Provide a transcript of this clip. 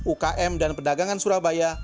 ukm dan perdagangan surabaya